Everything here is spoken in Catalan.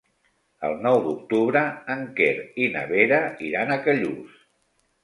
El nou d'octubre en Quer i na Vera iran a Callús.